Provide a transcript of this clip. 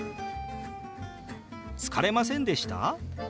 「疲れませんでした？」。